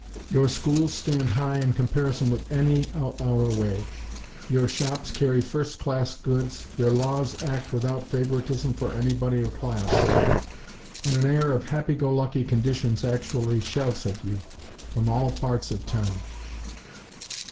Your schools stand high in comparison with any out our way; your shops carry first class goods, your laws act without favoritism for anybody or class; and an air of happy go lucky conditions actually shouts at you, from all parts of town."